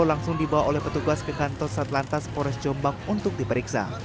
langsung dibawa oleh petugas ke kantor satlantas pores jombang untuk diperiksa